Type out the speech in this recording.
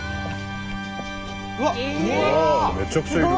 うわめちゃくちゃいる。